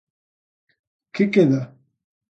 Que queda?